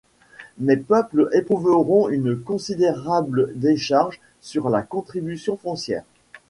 Mes peuples éprouveront une considérable décharge sur la contribution foncière.